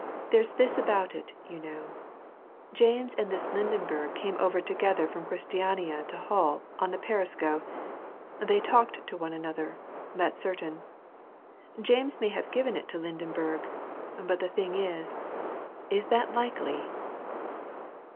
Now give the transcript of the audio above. "There's this about it, you know: James and this Lydenberg came over together from Christiania to Hull in the Perisco. They talked to one another that's certain. James may have given it to Lydenberg. But the thing is is that likely?"